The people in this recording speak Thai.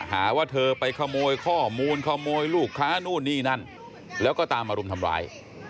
หาว่าเธอไปขโมยข้อมูลขโมยลูกค้านู่นนี่นั่นแล้วก็ตามมารุมทำร้าย